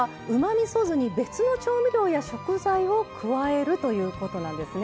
みそ酢に別の調味料や食材を加えるということなんですね。